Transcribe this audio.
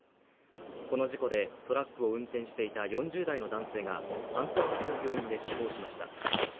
この事故でトラックを運転していた４０代の男性が搬送先の病院で死亡しました。